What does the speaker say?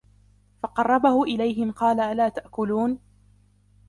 فَقَرَّبَهُ إِلَيْهِمْ قَالَ أَلَا تَأْكُلُونَ